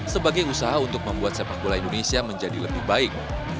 sebagai usaha untuk membuat sepak bola indonesia menjadi lebih baik